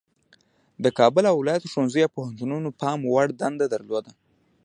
د کابل او ولایاتو ښوونځیو او پوهنتونونو پام وړ ونډه درلوده.